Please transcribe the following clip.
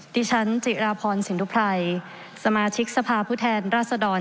ดิฉันจิราพรสินทุไพรสมาชิกสภาพผู้แทนราชดร